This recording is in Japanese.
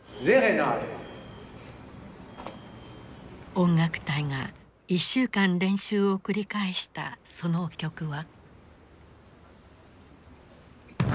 音楽隊が１週間練習を繰り返したその曲は。